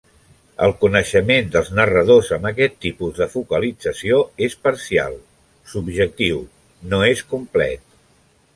El coneixement dels narradors amb aquest tipus de focalització és parcial, subjectiu; no és complet.